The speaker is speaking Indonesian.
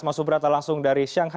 masuk berata langsung dari shanghai